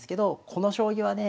この将棋はね